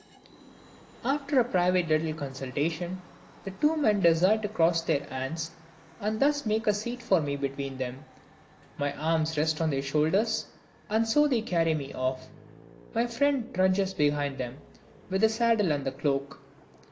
After a little private consultation, the two men decide to cross their hands, and thus make a seat for me between them. My arms rest on their shoulders; and so they carry me off. My friend trudges behind them, with the saddle and the cloak.